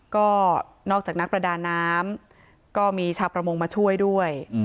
ก็นอกจากนักประดาน้ำก็มีชาวประมงมาช่วยด้วย